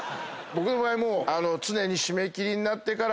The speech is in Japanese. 僕の場合常に締め切りになってからいろんな。